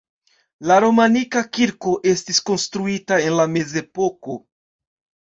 La romanika kirko estis konstruita en la mezepoko.